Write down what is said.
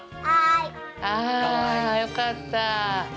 あよかった。